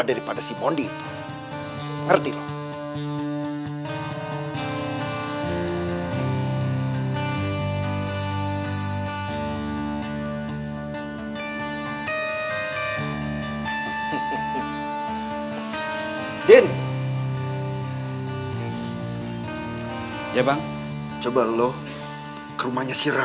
dara sia kalau gua jalan gua bisa ke tangka